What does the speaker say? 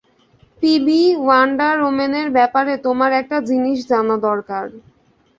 PB, wonder ওম্যানের ব্যাপারে তোমার একটা জিনিস জানা দরকার।